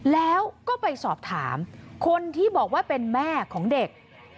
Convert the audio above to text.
แล้วก็ไปสอบถามคนที่บอกว่าเป็นแม่ของเด็ก